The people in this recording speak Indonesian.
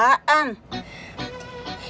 iya enak banget mak